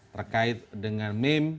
terkait dengan meme